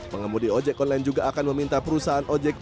pengemudi ojek online juga akan meminta perusahaan ojek